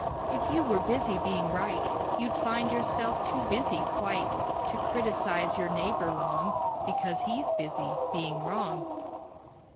"If you were busy being right, You'd find yourself too busy quite To criticize your neighbor long Because he's busy being wrong."